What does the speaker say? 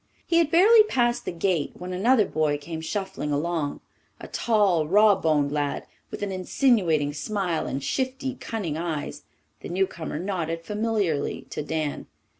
He had barely passed the gate when another boy came shuffling along a tall, raw boned lad, with an insinuating smile and shifty, cunning eyes. The newcomer nodded familiarly to Dan.